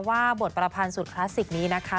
ว่าบทประพันธ์สุดคลาสสิกนี้นะคะ